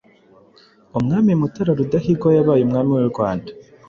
Umwami Mutara Rudahigwa yabaye umwami w’u Rwanda